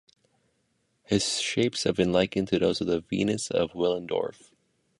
His shapes have been likened to those of the Venus of Willendorf.